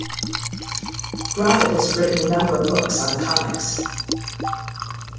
Gravett has written a number of books on comics.